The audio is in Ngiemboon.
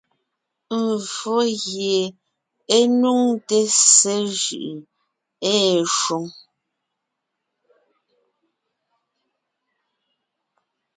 Mvfó gie é nuŋte ssé jʉʼʉ ée shwoŋ.